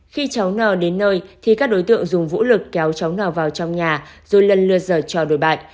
khi cháu n đến nơi thì các đối tượng dùng vũ lực kéo cháu n vào trong nhà rồi lần lượt dở cho đối bại